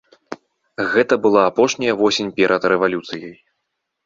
Гэта была апошняя восень перад рэвалюцыяй.